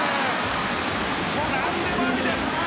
もう、何でもありです。